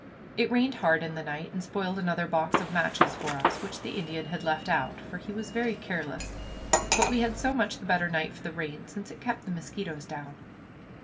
It rained hard in the night and spoiled another box of matches for us, which the Indian had left out, for he was very careless; but we had so much the better night for the rain, since it kept the mosquitoes down.